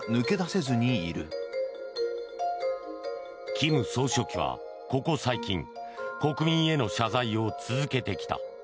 金総書記は、ここ最近国民への謝罪を続けてきた。